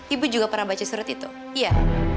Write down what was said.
ibu juga pernah baca surat itu iya